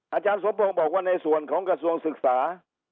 อาจารย์สมพงศ์บอกว่าในส่วนของกระทรวงศึกษา